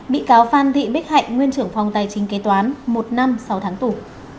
bị cáo phan thị bích hạnh nguyên trưởng phòng tài chính kế toán một năm sáu tháng tù